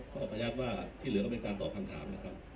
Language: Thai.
ขออนุญาตว่าที่เหลือก็เป็นการตอบคำถามนะครับ